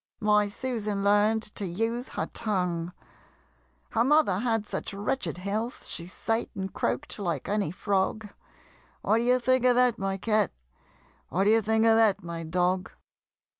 My Susan learn'd to use her tongue: Her mother had such wretched health, She sate and croak'd like any frog What d'ye think of that, my Cat? What d'ye think of that, my Dog?